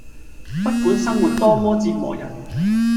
不管生活多麼折磨人